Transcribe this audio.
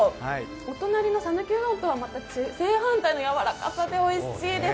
お隣の讃岐うどんとはまた正反対のやわらかさでおいしいです。